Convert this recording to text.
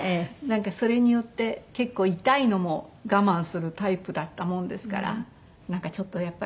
それによって結構痛いのも我慢するタイプだったものですからなんかちょっとやっぱり無理しすぎてたのかなって